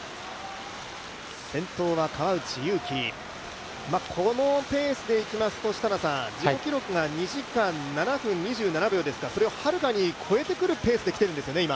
先頭は川内優輝、このペースでいきますと自己記録が２時間７分２７秒ですから、それをはるかに超えてくるペースできているんですよね、今。